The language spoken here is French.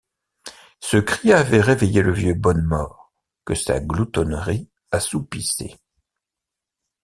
Ce cri avait réveillé le vieux Bonnemort, que sa gloutonnerie assoupissait.